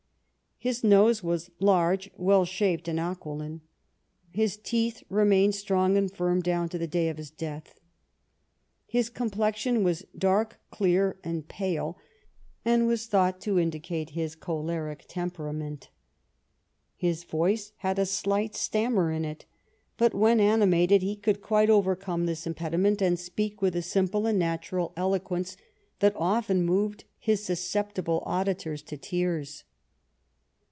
His nose was large, well shaped, and aquiline. His teeth remained strong and firm down to the day of his death. His com plexion was dark, clear, and pale, and was thought to indicate his choleric temperament. His voice had a slight stammer in it, but when animated he could quite overcome this impediment, and speak with a simple and natural eloquence that often moved his susceptible auditors to tears.